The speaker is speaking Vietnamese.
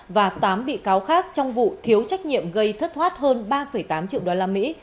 và tám bị cáo khác trong vụ thiếu trách nhiệm gây thất thoát hơn ba tám triệu đô la mỹ